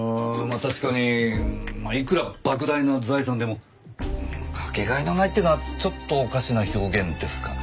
確かにいくら莫大な財産でも掛け替えのないっていうのはちょっとおかしな表現ですかね。